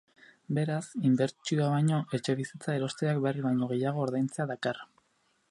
Beraz, inbertsioa baino, etxebizitza erosteak behar baino gehiago ordaintzea dakar.